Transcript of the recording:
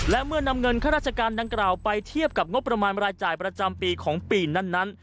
และเมื่อนำเงินข้าราชการดังกล่าวไปเทียบกับงบประมาณรายจ่ายประจำปีของปีนั้น